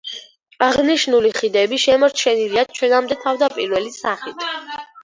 აღნიშნული ხიდები შემორჩენილია ჩვენამდე თავდაპირველი სახით.